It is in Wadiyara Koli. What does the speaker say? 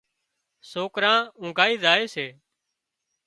سوڪران اونگھائي زائي سي